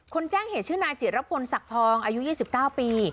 คนแจ้งเหตุชื่อนายเจียรพลสักทองอายุยี่สิบเก้าปี